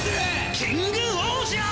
「キングオージャー！」